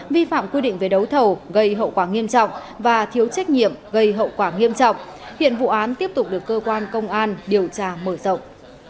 vi phạm quy định về đấu thầu gây hậu quả nghiêm trọng và thiếu trách nhiệm gây hậu quả nghiêm trọng hiện vụ án tiếp tục được cơ quan công an điều tra mở rộng